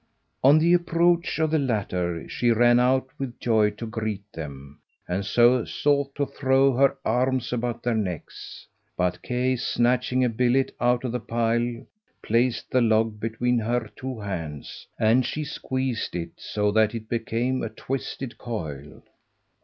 On the approach of the latter, she ran out with joy to greet them, and sought to throw her arms about their necks. But Kay, snatching a billet out of the pile, placed the log between her two hands, and she squeezed it so that it became a twisted coil.